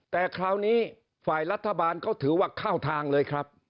แต่คราวนี้ฝ่ายรัฐบาลเขาถือว่าเข้าทางเลยครับ